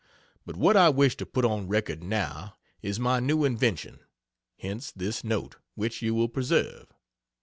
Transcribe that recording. But what I wish to put on record now, is my new invention hence this note, which you will preserve.